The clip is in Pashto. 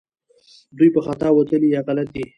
دوی په خطا وتلي یا غلط دي